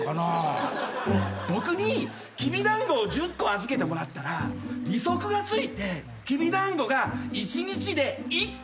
僕にきびだんごを１０個預けてもらったら利息が付いてきびだんごが１日で１個増えます。